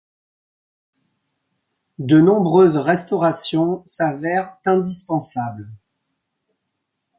De nombreuses restaurations s'avèrent indispensables.